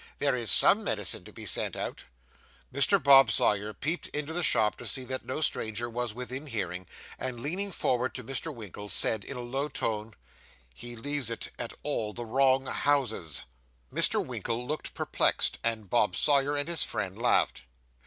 There is _some _medicine to be sent out.' Mr. Bob Sawyer peeped into the shop to see that no stranger was within hearing, and leaning forward to Mr. Winkle, said, in a low tone 'He leaves it all at the wrong houses.' Mr. Winkle looked perplexed, and Bob Sawyer and his friend laughed.